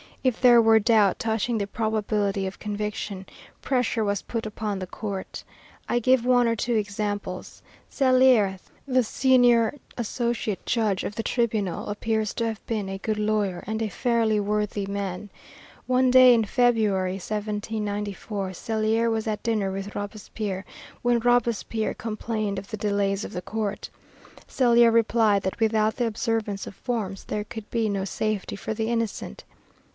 If there were doubt touching the probability of conviction, pressure was put upon the court. I give one or two examples: Scellier, the senior associate judge of the tribunal, appears to have been a good lawyer and a fairly worthy man. One day in February, 1794, Scellier was at dinner with Robespierre, when Robespierre complained of the delays of the court. Scellier replied that without the observance of forms there could be no safety for the innocent.